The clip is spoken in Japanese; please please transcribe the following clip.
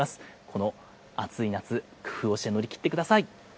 この暑い夏、工夫をして乗り切ってください。